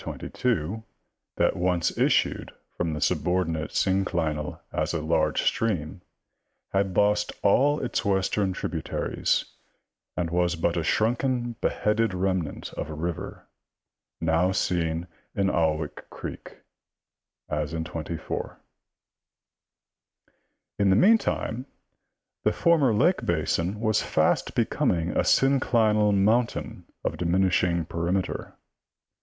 22, that once issued from the subordinate synclinal as a large stream, had lost all its western tributaries, and was but a shrunken beheaded remnant of a river, now seen in Aughwick creek, A, fig. 24. In the meantime, the Fig. 22. Fig. 23. Fig. 24. former lake basin was fast becoming a synclinal mountain of diminishing perimeter.